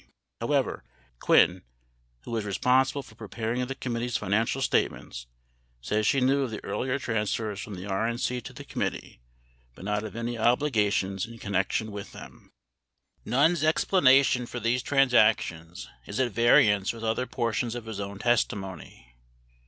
However, Quinn, who was responsible for preparing the com mittee's financial statements, says she knew of the earlier transfers from the RNC to the committee, but not of any obligations in connec tion with them. Nunn's explanation for these transactions is at variance with other portions of his own testimony.